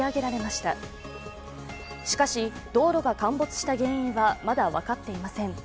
しかし道路が陥没した原因はまだ分かっていません。